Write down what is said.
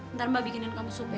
ntar mbak bikinin kamu sup ya